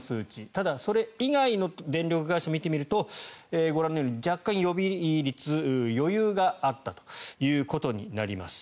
ただ、それ以外の電力会社を見てみるとご覧のように若干、予備率余裕があったということになります。